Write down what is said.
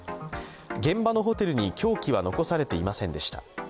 現場のホテルに凶器は残されていませんでした